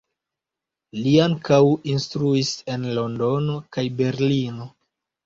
Li ankaŭ instruis en Londono kaj Berlino.